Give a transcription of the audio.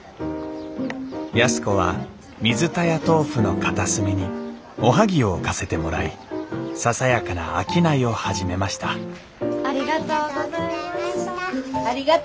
安子は水田屋とうふの片隅におはぎを置かせてもらいささやかな商いを始めましたありがとうございました。